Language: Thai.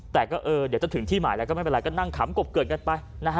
แต่ก็เดี๋ยวจะถึงที่หมายแล้วก็ไม่เป็นไรก็นั่งขำกบเกิดกันไปนะฮะ